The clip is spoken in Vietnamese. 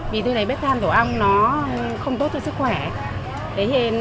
vì tôi thấy bếp than tổ ong nó không tốt cho sức khỏe